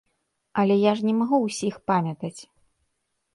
Але ж я не магу ўсіх памятаць.